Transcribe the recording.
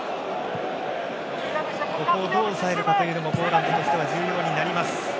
そこを、どう抑えるかもポーランドとしては重要になります。